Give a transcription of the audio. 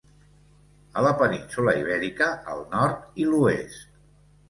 A la península Ibèrica al nord i l'oest.